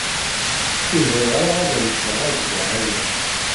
Ur bɣiɣ ara ad alseɣ ad geɣ aya.